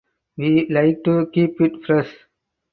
We like to keep it fresh.